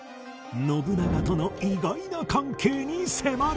信長との意外な関係に迫る！